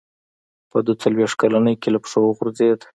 په دوه څلوېښت کلنۍ کې له پښو وغورځېد.